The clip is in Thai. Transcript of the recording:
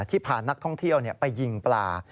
ที่ผ่านนักท่องเที่ยวไปยิงปลา